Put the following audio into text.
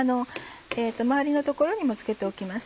周りの所にも付けておきます。